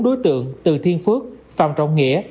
bốn đối tượng từ thiên phước phạm trọng nghĩa